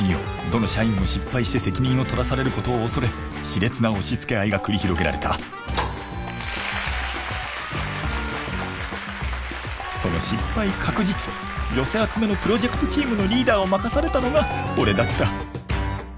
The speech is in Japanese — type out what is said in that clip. どの社員も失敗して責任を取らされることを恐れ熾烈な押しつけ合いが繰り広げられたその失敗確実寄せ集めのプロジェクトチームのリーダーを任されたのが俺だった